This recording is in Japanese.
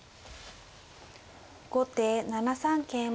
後手７三桂馬。